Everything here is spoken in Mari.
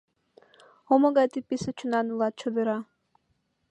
О, могай тый писе чонан улат, чодыра!